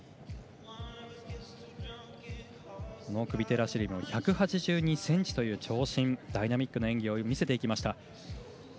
クビテラシビリも１８２ｃｍという長身でダイナミックな演技を見せていきました。